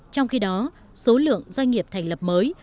trong khi đó số lượng doanh nghiệp thành lập mới